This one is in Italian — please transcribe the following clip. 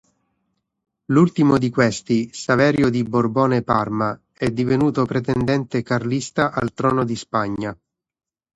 L'ultimo di questi, Saverio di Borbone-Parma, è divenuto pretendente carlista al trono di Spagna.